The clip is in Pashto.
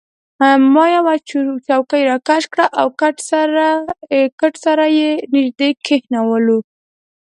ما یوه چوکۍ راکش کړل او کټ سره يې نژدې کښېښوول.